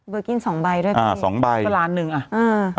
เบอร์กิ้นสองใบด้วยอ่าสองใบสักล้านหนึ่งอ่ะอืม